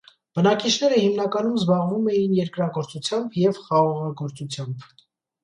Բնակիչները հիմնականում զբաղվում էին երկրագործությամբ և խաղողագործությամբ։